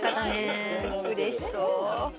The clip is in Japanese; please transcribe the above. うれしそう。